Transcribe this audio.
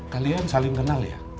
kalian saling kenal ya